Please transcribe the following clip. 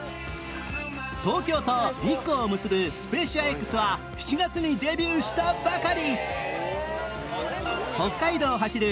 東京と日光を結ぶスペーシア Ｘ は７月にデビューしたばかり！